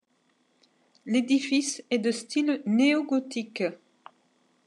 L'édifice est de style néo-gothique.